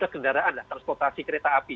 gendaraan transportasi kereta api